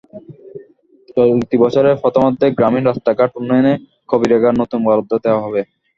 চলতি বছরের প্রথমার্ধেই গ্রামীণ রাস্তাঘাট উন্নয়নে কাবিখার নতুন বরাদ্দ দেওয়া হবে।